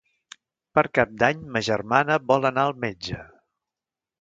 Per Cap d'Any ma germana vol anar al metge.